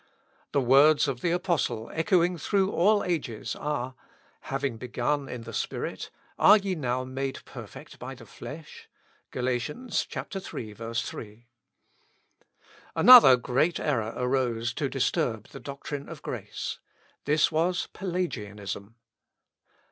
The words of the apostle, echoing through all ages, are, "Having begun in the Spirit, are ye now made perfect by the flesh?" (Gal., iii, 3.) Another great error arose to disturb the doctrine of grace. This was Pelagianism.